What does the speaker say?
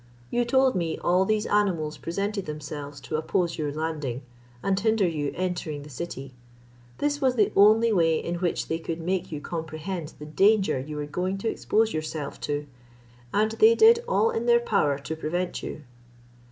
You told me all these animals presented themselves to oppose your landing, and hinder you entering the city. This was the only way in which they could make you comprehend the danger you were going to expose yourself to, and they did all in their power to prevent you."